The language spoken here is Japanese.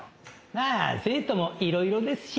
まあ生徒もいろいろですし。